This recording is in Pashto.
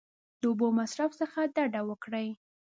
د اوبو د مصرف څخه ډډه وکړئ !